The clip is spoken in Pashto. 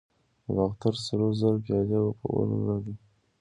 د باختر سرو زرو پیالې اپولو لري